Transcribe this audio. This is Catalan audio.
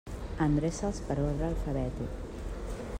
Endreça'ls per ordre alfabètic.